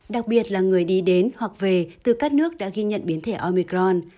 đặc biệt là người đi đến hoặc về từ các nước đã ghi nhận biến thể omicron